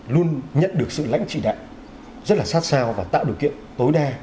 luôn nhận được sự lãnh trị đại rất là sát sao và tạo điều kiện tối đa